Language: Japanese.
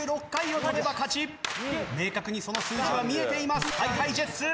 明確にその数字は見えていますＨｉＨｉＪｅｔｓ。